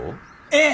ええ！